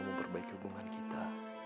memperbaiki hubungan kita